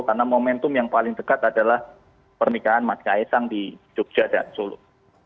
karena momentum yang paling dekat adalah pernikahan matka esang di jogja dan solo